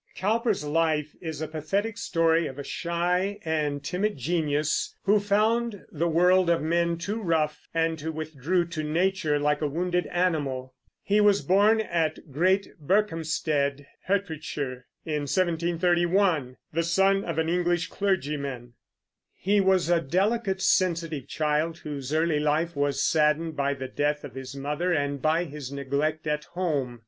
Cowper's life is a pathetic story of a shy and timid genius, who found the world of men too rough, and who withdrew to nature like a wounded animal. He was born at Great Berkhamstead, Hertfordshire, in 1731, the son of an English clergyman. He was a delicate, sensitive child, whose early life was saddened by the death of his mother and by his neglect at home.